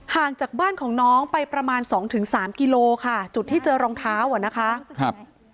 ห่างจากบ้านของน้องไปประมาณสองถึงสามกิโลค่ะจุดที่เจอรองเท้าอ่ะนะคะครับ